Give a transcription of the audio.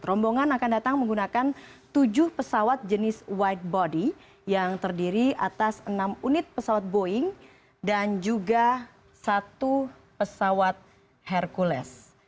rombongan akan datang menggunakan tujuh pesawat jenis white body yang terdiri atas enam unit pesawat boeing dan juga satu pesawat hercules